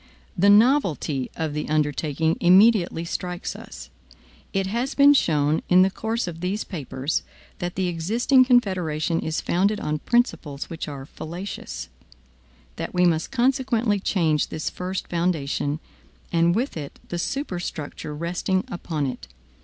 The novelty of the undertaking immediately strikes us. It has been shown in the course of these papers, that the existing Confederation is founded on principles which are fallacious; that we must consequently change this first foundation, and with it the superstructure resting upon it.